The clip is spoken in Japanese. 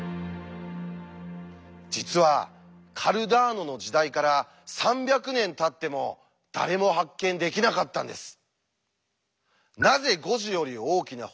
実はカルダーノの時代から３００年たっても誰も発見できなかったんです。